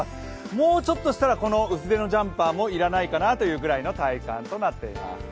もうちょっとしたらこの薄手のジャンパーもいらないかなぐらいの体感になっています。